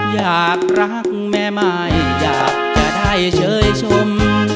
อยากรักแม่ใหม่อยากจะได้เชยชม